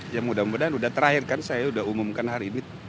ya mudah mudahan sudah terakhir kan saya udah umumkan hari ini